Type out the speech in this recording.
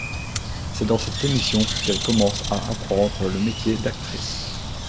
C'est dans cette émission qu'elle commence à apprendre le métier d'actrice.